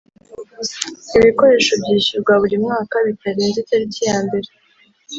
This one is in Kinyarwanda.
Ibikoresho byishyurwa buri mwaka bitarenze itariki ya mbere